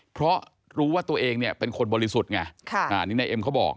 เพราะรู้ว่าตัวเองเนี่ยเป็นคนบริสุทธิ์ไงนี่นายเอ็มเขาบอก